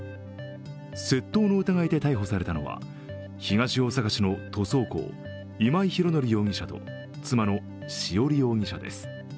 窃盗の疑いで逮捕されたのは東大阪市の塗装工、今井宏典容疑者と妻の栞容疑者です。